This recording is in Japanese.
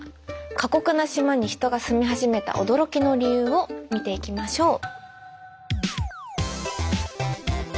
「過酷な島に人が住み始めた驚きの理由」を見ていきましょう。